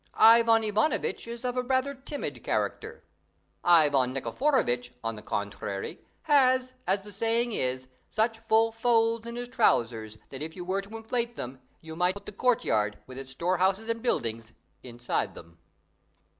Ivan Ivanovitch is of a rather timid character: Ivan Nikiforovitch, on the contrary, has, as the saying is, such full folds in his trousers that if you were to inflate them you might put the courtyard, with its storehouses and buildings, inside them.